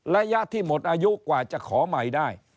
ระยะที่หมดอายุกว่าจะขอใหม่ได้